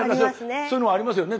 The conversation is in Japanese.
そういうのありますよね